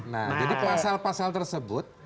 nah jadi pasal pasal tersebut